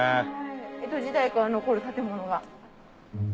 江戸時代から残る建物が。